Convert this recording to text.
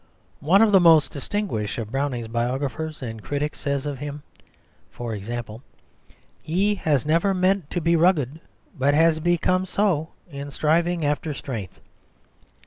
One of the most distinguished of Browning's biographers and critics says of him, for example, "He has never meant to be rugged, but has become so in striving after strength."